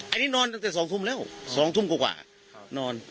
อันนี้นอนตั้งแต่๒ทุ่มแล้ว๒ทุ่มกว่านอน